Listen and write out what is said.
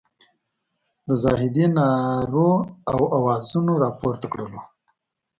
د زاهدي نارو او اوازونو راپورته کړلو.